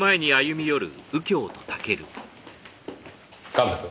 神戸君。